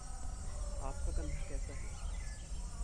आपका कंधा कैसा है?